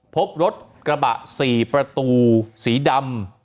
พบรถกระบะ๔ประตูสีดำ